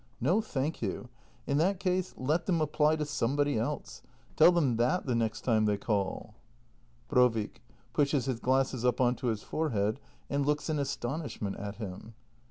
No thank you! In that case, let them apply 250 THE MASTER BUILDER [act i to somebody else. Tell them that, the next time they call. Brovik. [Pushes his glasses up on to his forehead and looks in astonishment at him.